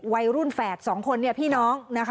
วัยรุ่นแบบสองคนพี่น้อง